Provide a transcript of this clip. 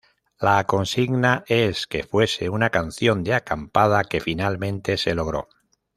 La consigna es que fuese una canción de acampada, que finalmente se logró.